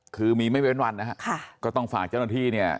คือมีไม่เว้นวันนะฮะค่ะก็ต้องฝากเจ้าหน้าที่เนี่ย